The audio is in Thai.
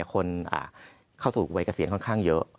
คนเข้าสู่วัยเกษียณค่อนข้างเยอะ